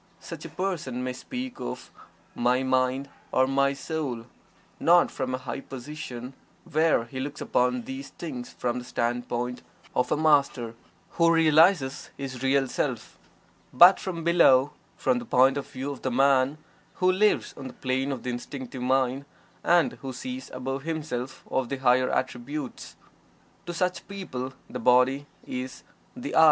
Such a person may speak of "my mind," or "my soul," not from a high position where he looks upon these things from the standpoint of a Master who realizes his Real Self, but from below, from the point of view of the man who lives on the plane of the Instinctive Mind and who sees above himself the higher attributes. To such people the body is the "I."